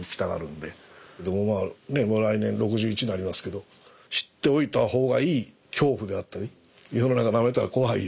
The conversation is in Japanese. でもう来年６１になりますけど知っておいたほうがいい恐怖であったり「世の中なめたら怖いよ」